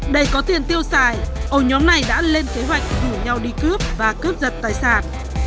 để có tiền tiêu xài ổ nhóm này đã lên kế hoạch rủ nhau đi cướp và cướp giật tài sản